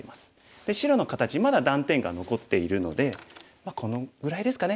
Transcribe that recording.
で白の形まだ断点が残っているのでこのぐらいですかね。